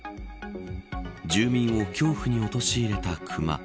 住民を恐怖に陥れたクマ。